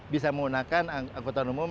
bisa menggunakan anggota umum